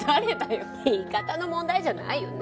言い方の問題じゃないよね。